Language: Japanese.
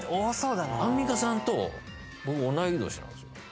アンミカさんと僕同い年なんですよ。